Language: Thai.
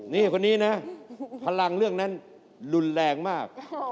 นี่คนนี้นะพลังเรื่องนั้นรุนแรงมาก